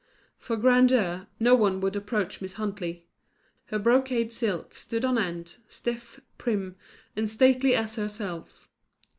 For grandeur, no one could approach Miss Huntley; her brocade silk stood on end, stiff, prim, and stately as herself.